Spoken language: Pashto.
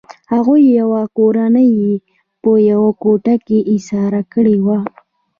هغوی یوه کورنۍ په یوه کوټه کې ایساره کړې وه